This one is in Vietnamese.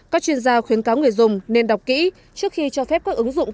các chuyên gia khuyến cáo người dùng nên đọc kỹ trước khi cho phép các ứng dụng